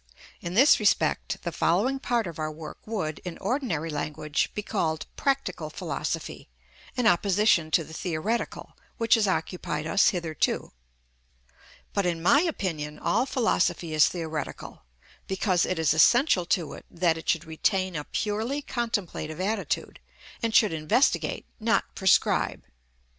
In this respect the following part of our work would, in ordinary language, be called practical philosophy, in opposition to the theoretical, which has occupied us hitherto. But, in my opinion, all philosophy is theoretical, because it is essential to it that it should retain a purely contemplative attitude, and should investigate, not prescribe.